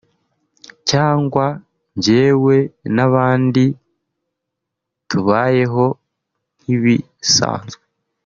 cyangwa njyewe n’abandi tubayeho nk'ibisanzwe